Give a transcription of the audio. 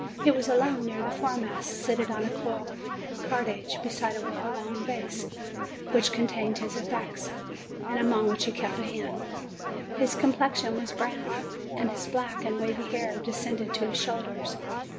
He was alone near the fore mast, seated on a coil of cordage, beside a well worn valise, which contained his effects, and upon which he kept a hand. His complexion was brown, and his black and wavy hair descended to his shoulders.